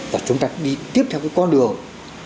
và chúng ta đi tiếp theo cái con đường